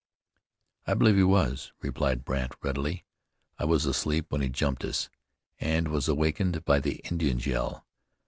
"I believe he was," replied Brandt readily. "I was asleep when he jumped us, and was awakened by the Indian's yell.